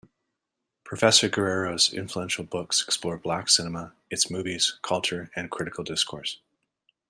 Professor Guerrero's influential books explore black cinema, its movies, culture and critical discourse.